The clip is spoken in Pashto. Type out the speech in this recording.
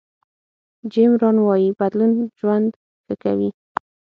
جیم ران وایي بدلون ژوند ښه کوي.